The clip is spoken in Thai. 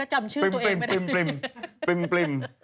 หรออีก๕๐ปีหรอ